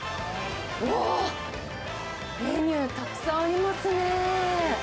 うわー、メニューたくさんありますね。